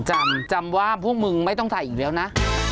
จำจำว่าพวกมึงไม่ต้องใส่อีกแล้วนะ